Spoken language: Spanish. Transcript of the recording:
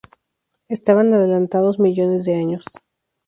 Estaban adelantados millones de años.